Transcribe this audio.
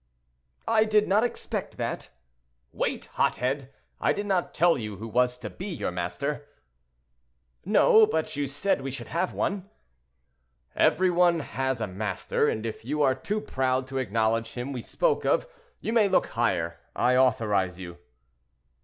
"I did not expect that." "Wait, hot head! I did not tell you who was to be your master." "No; but you said we should have one." "Every one has a master; and if you are too proud to acknowledge him we spoke of, you may look higher; I authorize you."